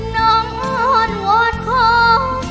น้องอ่อนโวทธคอ